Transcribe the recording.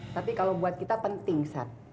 tapi kalau buat kita penting saat